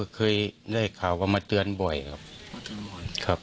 เคยได้ข่าวก็มาเตือนบ่อยครับ